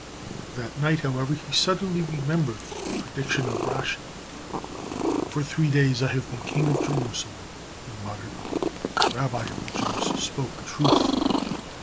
That night, however, he suddenly remembered the prediction of Rashi. "For three days I have been King of Jerusalem," he muttered. "The rabbi of the Jews spoke truth."